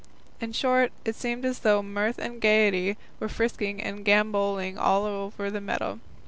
In short, it seemed as though mirth and gaiety were frisking and gambolling all over the meadow.